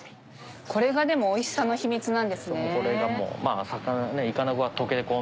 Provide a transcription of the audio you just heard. これがでもおいしさの秘密なんですね。